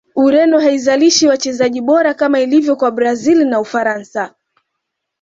Ureno haizalishi wachezaji bora kama ilivyo kwa brazil na ufaransa